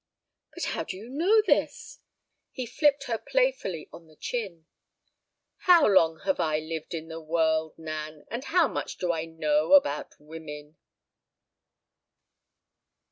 "But how do you know this?" He flipped her playfully on the chin. "How long have I lived in the world, Nan, and how much do I know about women?"